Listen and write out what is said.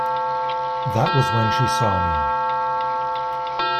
That was when she saw me.